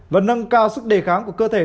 và nâng cao sức đề kháng của cơ thể